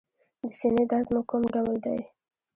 د سینې درد مو کوم ډول دی؟